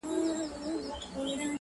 له هر چا یې دی د عقل میدان وړی!!